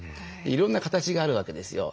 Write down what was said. いろんな形があるわけですよ。